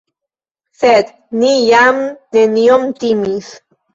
Sed ni jam nenion timis.